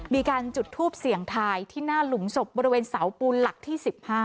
มีการจุดทูปเสี่ยงทายที่หน้าหลุมศพบริเวณเสาปูนหลักที่๑๕